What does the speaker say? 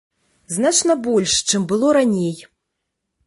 Значна больш, чым было раней.